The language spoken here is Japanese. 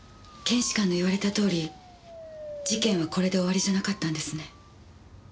検視官の言われたとおり事件はこれで終わりじゃなかったんですね。